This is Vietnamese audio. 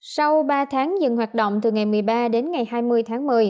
sau ba tháng dừng hoạt động từ ngày một mươi ba đến ngày hai mươi tháng một mươi